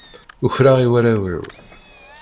Ukreɣ i warraw-iw.